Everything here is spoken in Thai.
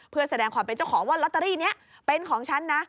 เพื่อแสดงความเป็นเจ้าของว่าลอตเตอรี่นี้เป็นของฉันนะ